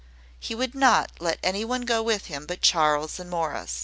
He would not let any one go with him but Charles and Morris.